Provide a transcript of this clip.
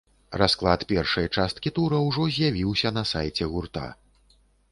Расклад першай часткі тура ўжо з'явіўся на сайце гурта.